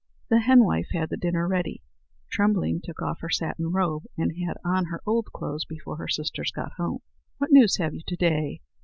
The henwife had the dinner ready. Trembling took off her satin robe, and had on her old clothes before her sisters got home. "What news have you to day?"